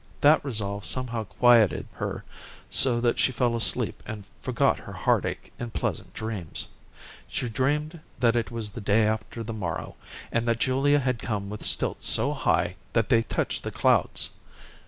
That resolve somehow quieted her so that she fell asleep and forgot her heartache in pleasant dreams. She dreamed that it was the day after the morrow, and that Julia had come with stilts so high that they touched the clouds.